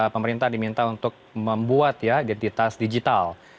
pemerintah diminta untuk membuat ya identitas digital